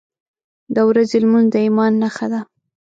• د ورځې لمونځ د ایمان نښه ده.